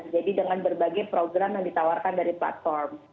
jadi dengan berbagai program yang ditawarkan dari platform